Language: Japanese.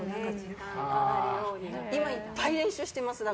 今いっぱい練習してます。